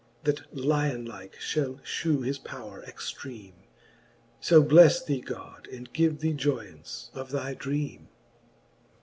That lion like fhall fhew his powre extreame. So blefTe thee God, and give thee joyance of thy dreame.